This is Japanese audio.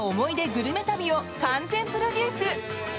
グルメ旅を完全プロデュース。